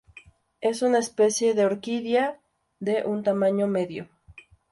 Es una especie de orquídea de un tamaño medio.